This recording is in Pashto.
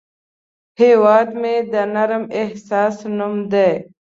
هیواد مې د نرم احساس نوم دی